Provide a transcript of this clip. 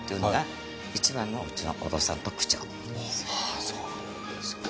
あそうなんですか。